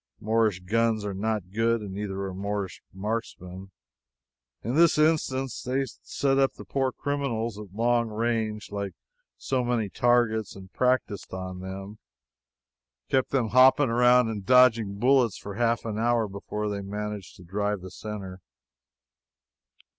Moorish guns are not good, and neither are Moorish marksmen. In this instance they set up the poor criminals at long range, like so many targets, and practiced on them kept them hopping about and dodging bullets for half an hour before they managed to drive the center.